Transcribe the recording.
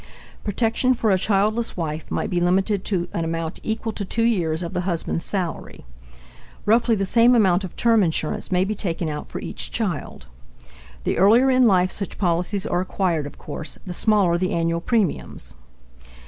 Protection for a childless wife might be limited to an amount equal to two years of the husband's salary. Roughly, the same amount of term insurance may be taken out for each child. The earlier in life such policies are acquired, of course, the smaller the annual premiums.